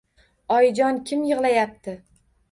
Oyijon, kim yig`layapti